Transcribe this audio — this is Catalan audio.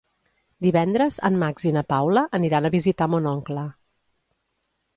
Divendres en Max i na Paula aniran a visitar mon oncle.